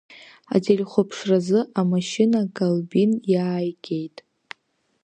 Ателехәаԥшразы амашьына Колбин иааигеит.